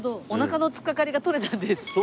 おなかの突っかかりが取れたんです。